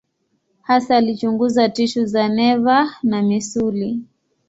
Hasa alichunguza tishu za neva na misuli.